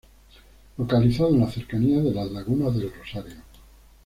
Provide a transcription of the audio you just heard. Localizado en las cercanías de la laguna del Rosario.